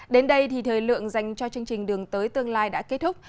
đến đây thì thời lượng dành cho chương trình đường tới tương lai đã kết thúc